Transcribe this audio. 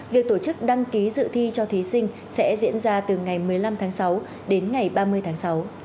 việc tổ chức đăng ký dự thi cho thí sinh sẽ diễn ra từ ngày một mươi năm tháng sáu đến ngày ba mươi tháng sáu